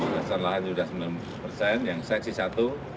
dasar lahan sudah sembilan puluh persen yang seksi satu